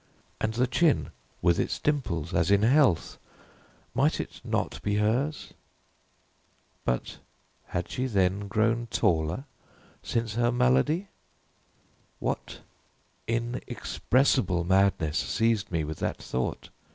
And the chin, with its dimples, as in health, might it not be hers? but had she then grown taller since her malady? What inexpressible madness seized me with that thought?